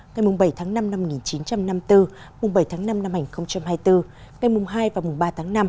ngày bảy tháng năm năm một nghìn chín trăm năm mươi bốn bảy tháng năm năm hai nghìn hai mươi bốn ngày mùng hai và mùng ba tháng năm